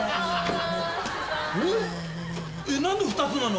えっ⁉何で２つなの？